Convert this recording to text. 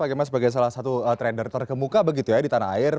akhirnya sebagai salah satu trader terkemuka begitu ya di tanah air